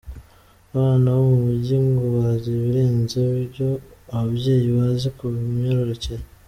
Abana bo mu mujyi ngo bazi ibirenze ibyo ababyeyi bazi ku myororokere.